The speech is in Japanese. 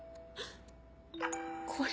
これ？